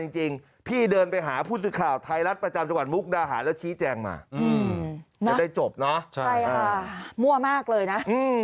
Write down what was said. ใช่ค่ะมั่วมากเลยนะ